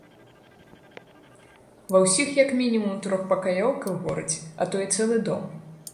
Ва ўсіх як мінімум трохпакаёўка ў горадзе, а то і цэлы дом!